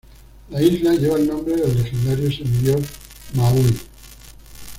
La isla lleva el nombre del legendario semidiós Maui.